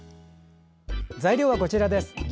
材料はこちらです。